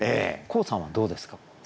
黄さんはどうですか？